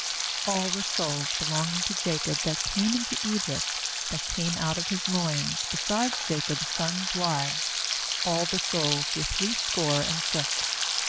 26A11 the souls belonging to Jacob that came into Egypt, that came out of his loins, besides Jacob's sons' wives, all the souls were threescore and six.